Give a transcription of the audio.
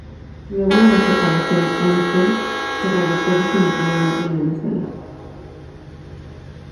Luego de la separación Eisenstein se radicó definitivamente en Venezuela.